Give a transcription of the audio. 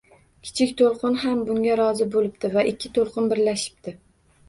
Kichik to‘lqin ham bunga rozi bo‘libdi va ikki to‘lqin birlashibdi